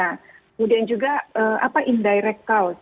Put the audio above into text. kemudian juga apa indirect cause